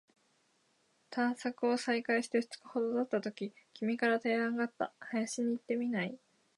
探索を再開して二日ほど経ったとき、君から提案があった。「林に行ってみない？」